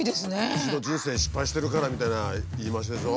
一度人生失敗してるからみたいな言い回しでしょ。